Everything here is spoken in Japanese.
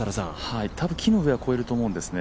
たぶん木の上は越えると思うんですね。